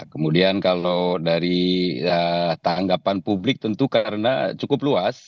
kemudian kalau dari tanggapan publik tentu karena cukup luas